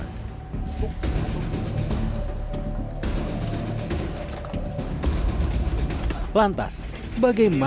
kedua tersangka direncanakan diperiksa polisi pada jumat dua puluh sembilan september